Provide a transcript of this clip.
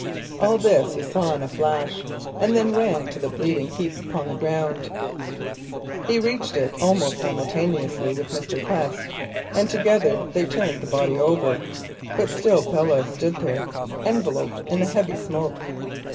All this he saw in a flash, and then ran to the bleeding heap upon the gravel. He reached it almost simultaneously with Mr. Quest, and together they turned the body over. But still Belle stood there enveloped in the heavy smoke.